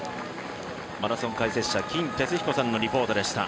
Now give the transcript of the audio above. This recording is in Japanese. マラソン解説者金哲彦さんのリポートでした。